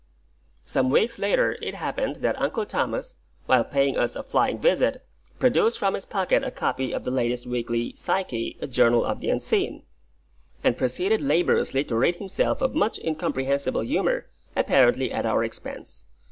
Some weeks later it happened that Uncle Thomas, while paying us a flying visit, produced from his pocket a copy of the latest weekly, Psyche: a Journal of the Unseen; and proceeded laborously to rid himself of much incomprehensible humour, apparently at our expense.